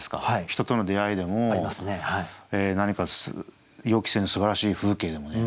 人との出会いでも何か予期せぬすばらしい風景でもね。